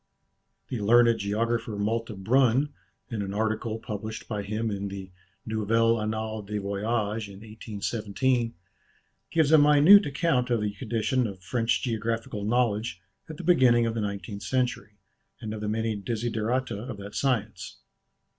The learned geographer Malte Brun, in an article published by him in the "Nouvelles Annales des Voyages" in 1817, gives a minute account of the condition of French geographical knowledge at the beginning of the nineteenth century, and of the many desiderata of that science.